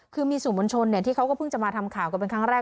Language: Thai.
คือมีสื่อมวลชนที่เขาก็เพิ่งจะมาทำข่าวกันเป็นครั้งแรก